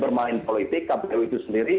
bermain politik kpu itu sendiri